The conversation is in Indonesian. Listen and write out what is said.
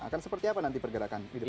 akan seperti apa nanti pergerakan di depan